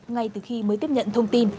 ngay từ khi mới tiếp nhận thông tin